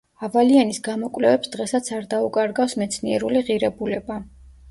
ავალიანის გამოკვლევებს დღესაც არ დაუკარგავს მეცნიერული ღირებულება.